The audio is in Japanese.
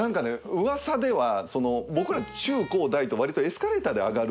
ウワサでは僕ら中高大とわりとエスカレーターで上がる。